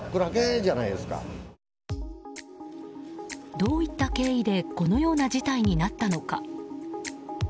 どういった経緯でこのような事態になったのか。